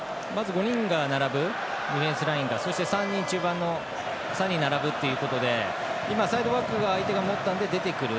５人がディフェンスラインに並びそして３人中盤に並ぶということでサイドワークが相手が持ったので出てくる。